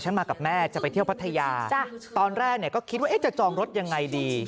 มากับแม่จะไปเที่ยวพัทยาตอนแรกเนี่ยก็คิดว่าเอ๊ะจะจองรถยังไงดี